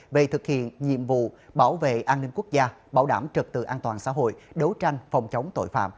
về thực hiện nhiệm vụ bảo vệ an ninh quốc gia bảo đảm trật tự an toàn xã hội đấu tranh phòng chống tội phạm